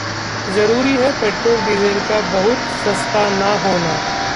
जरूरी है पेट्रोल-डीजल का बहुत सस्ता न होना